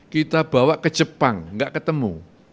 kita bawa ke jepang tidak ketemu